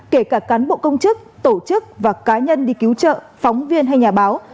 kể cả cán bộ công chức tổ chức và cá nhân đi cứu trợ phóng viên hay nhà báo